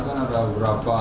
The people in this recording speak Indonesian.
kan ada berapa